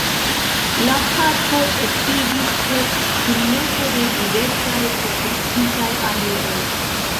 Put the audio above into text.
La parko estiĝis per kunmeto de diversaj protektitaj areoj.